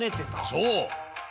そう！